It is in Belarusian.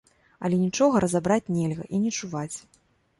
Але нічога разабраць нельга і не чуваць.